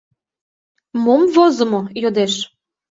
— Мом возымо? — йодеш.